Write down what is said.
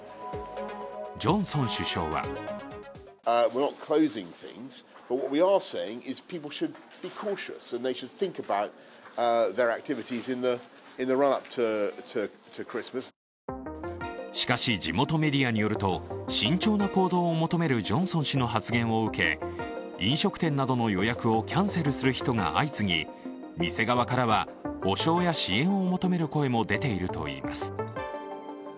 ジョンソン首相はしかし地元メディアによると、慎重な行動を求めるジョンソン氏の発言を受け、飲食店などの予約をキャンセルする人が相次ぎ、店側からは補償や支援を求める声も出ているといいます。